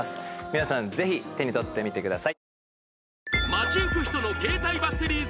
みなさんぜひ手に取ってください